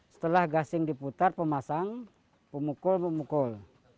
setelah gasing diputar pemasang pemukul pemukul